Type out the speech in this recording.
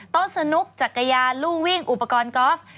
โต๊ะสนุกจักรยานลู่วิ่งอุปกรณ์กอล์ฟ